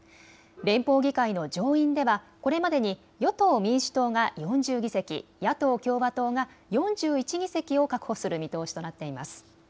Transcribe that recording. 連邦議会の上院ではこれまでに与党・民主党が４０議席、野党・共和党が４１議席を確保する見通しとなっています。